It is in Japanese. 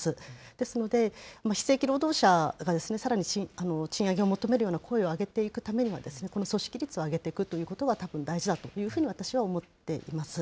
ですので、非正規労働者がさらに賃上げを求めるような声を上げていくためには、この組織率を上げていくということが、たぶん大事だというふうに私は思っています。